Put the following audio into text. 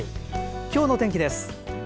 今日の天気です。